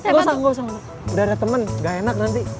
gak usah udah ada temen gak enak nanti